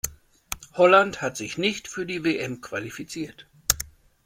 Holland hat sich nicht für die WM qualifiziert.